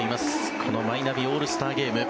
このマイナビオールスターゲーム